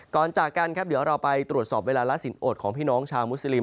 จากกันครับเดี๋ยวเราไปตรวจสอบเวลาละสินอดของพี่น้องชาวมุสลิม